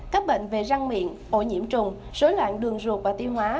các bệnh về răng miệng ổ nhiễm trùng rối loạn đường ruột và tiêu hóa